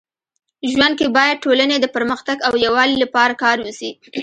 ژوند کي باید ټولني د پرمختګ او يووالي لپاره کار وسي.